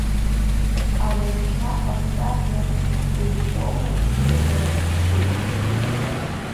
Ауаҩшьра ҟазҵаз иаҵкыс деиҵоума, бзиабарак зшьыз?!